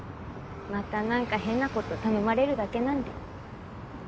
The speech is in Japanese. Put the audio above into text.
また何か変な事頼まれるだけなんで。